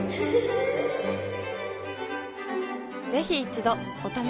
ぜひ一度お試しを。